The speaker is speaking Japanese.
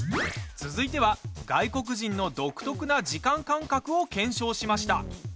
続いては、外国人の独特な時間感覚を検証しました。